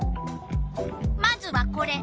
まずはこれ。